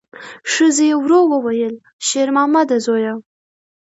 ښځې ورو وویل: شېرمامده زویه!